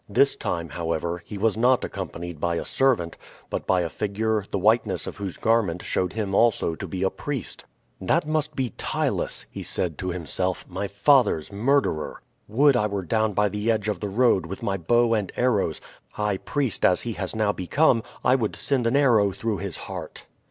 This time, however, he was not accompanied by a servant, but by a figure the whiteness of whose garment showed him also to be a priest. "That must be Ptylus," he said to himself, "my father's murderer. Would I were down by the edge of the road, with my bow and arrows; high priest as he has now become, I would send an arrow through his heart!"